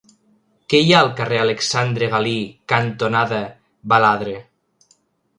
Què hi ha al carrer Alexandre Galí cantonada Baladre?